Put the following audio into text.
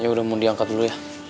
ya udah mau diangkat dulu ya